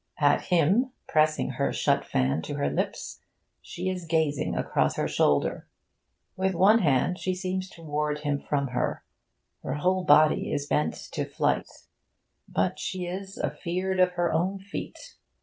At him, pressing her shut fan to her lips, she is gazing across her shoulder. With one hand she seems to ward him from her. Her whole body is bent to flight, but she is 'affear'd of her own feet.'